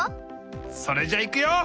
それじゃいくよ！